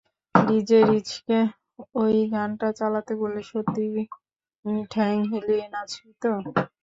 DJ রিচকে ঐ গানটা চালাতে বললে, সত্যিই ঠ্যাং হিলিয়ে নাচবি তো?